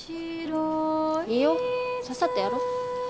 いいよ。さっさとやろう。